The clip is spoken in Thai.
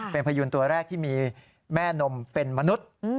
เป็นพยูนตัวแรกที่มีแม่นมเป็นมนุษย์